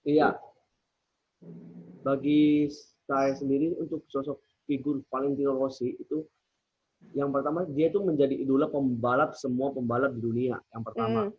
iya bagi saya sendiri untuk sosok figur valentino rossi itu yang pertama dia itu menjadi idola pembalap semua pembalap di dunia yang pertama